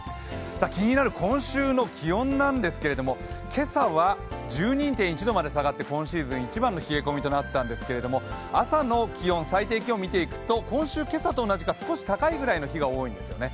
気になる今週の気温なんですけれども今朝は１２．１度まで下がって今シーズン一番の冷え込みとなったんですけれども、朝の気温、最低気温を見ていくと今朝同じくらいか、ちょっと高い日が多いんですよね。